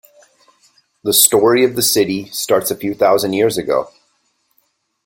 The story of the city starts a few thousand years ago.